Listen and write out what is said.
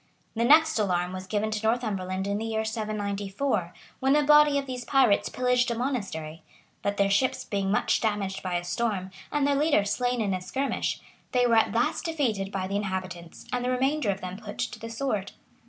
The next alarm was given to Northumberland in the year 794,[] when a body of these pirates pillaged a monastery; but their ships being much damaged by a storm, and their leader slain in a skirmish, they were at last defeated by the inhabitants, and the remainder of them put to the sword.